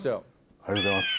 ありがとうございます。